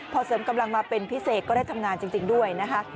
พอเสริมกำลังมาเป็นพิเศษก็ได้ทำงานจริงด้วยนะคะ